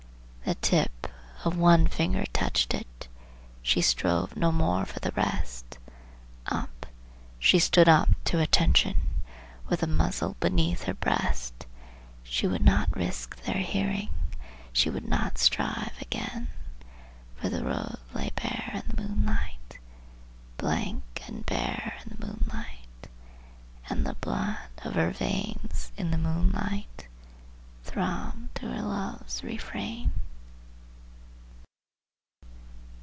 The tip of one finger touched it, she strove no more for the rest; Up, she stood up at attention, with the barrel beneath her breast. She would not risk their hearing, she would not strive again, For the road lay bare in the moonlight, Blank and bare in the moonlight, And the blood in her veins, in the moonlight, throbbed to her love's refrain.